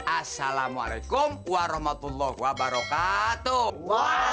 asalamualaikum warahmatullah wabarakatuh